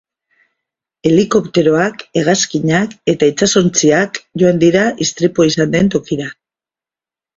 Helikopteroak, hegazkinak eta itsasontziak joan dira istripua izan den tokira.